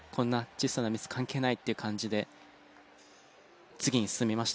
小さなミス関係ないっていう感じで次に進みましたよね。